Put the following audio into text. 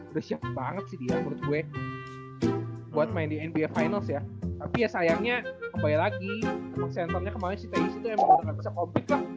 udah siap banget sih dia menurut gue buat main di nba finals ya tapi ya sayangnya kembali lagi emang centernya kemarin si tangis itu emang udah gak bisa komplit lah